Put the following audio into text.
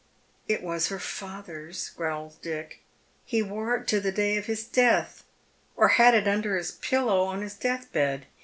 *' It was her father's," growls Dick ;" he wore it to the day of his death, or had it under his pillow on his death bed.